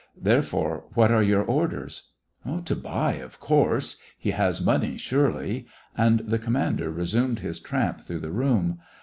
Therefore, what are your orders }" "To buy, of course. He has money, surely." And the commander resumed his tramp through the room.